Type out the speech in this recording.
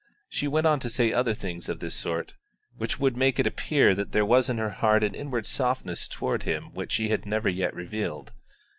She went on to say other things of this sort which would make it appear that there was in her heart an inward softness toward him which she had never yet revealed.